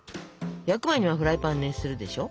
焼く前にはフライパン熱するでしょ？